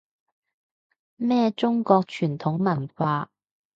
咩中國傳統文化